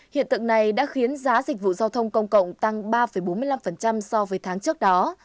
hiện tượng này đã khiến giá dịch vụ giao thông công cộng tăng ba bốn mươi năm so với tháng trước đó